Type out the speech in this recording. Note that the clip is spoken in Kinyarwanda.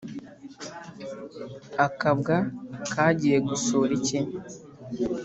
Akabwa kagiye gusura iki?